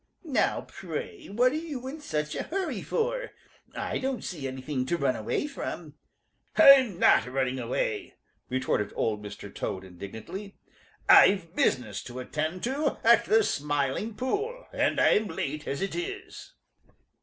Now, pray, what are you in such a hurry for? I don't see anything to run away from." "I'm not running away," retorted Old Mr. Toad indignantly. "I've business to attend to at the Smiling Pool, and I'm late as it is."